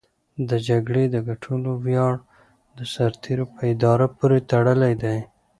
د جګړې د ګټلو ویاړ د سرتېرو په اراده پورې تړلی دی.